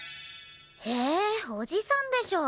えおじさんでしょ。